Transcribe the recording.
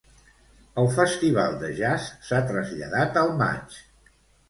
El Festival de Jazz s'ha traslladat al maig.